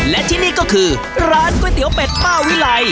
และที่นี่ก็คือร้านก๋วยเตี๋ยวเป็ดป้าวิไล